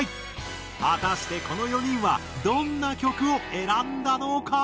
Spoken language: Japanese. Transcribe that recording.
果たしてこの４人はどんな曲を選んだのか？